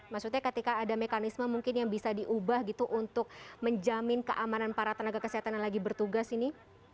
maksudnya ketika ada mekanisme mungkin yang bisa diubah gitu untuk menjamin keamanan para tenaga kesehatan yang lagi bertugas ini